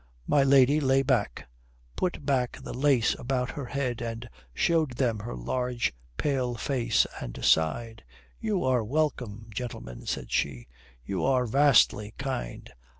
My lady lay back, put back the lace about her head, and showed them her large pale face and sighed. "You are welcome, gentlemen," said she. "You are vastly kind."